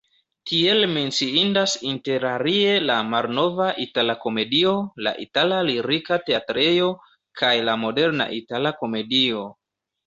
Tiel menciindas interalie la malnova Itala-Komedio, la itala Lirika-Teatrejo kaj la moderna Itala-Komedio.